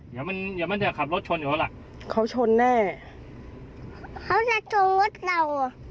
เดี๋ยวมันจะขับรถชนอยู่แล้วแหละเขาชนแน่เขาจะชนรถเรา